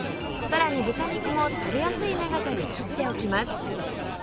さらに豚肉も食べやすい長さに切っておきます